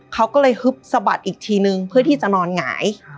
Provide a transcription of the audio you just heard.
เขาก็เลยฮึบสะบัดอีกทีนึงเพื่อที่จะนอนหงาย